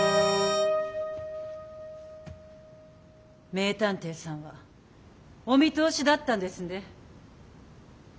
名探偵さんはお見通しだったんですね。